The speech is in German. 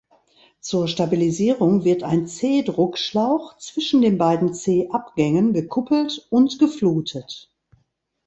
Zur Stabilisierung wird ein C-Druckschlauch zwischen den beiden C-Abgängen gekuppelt und geflutet.